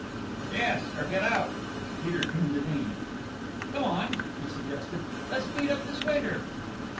"Yes or get out." Peter turned to Dean. "Come on," he suggested. "Let's beat up this waiter."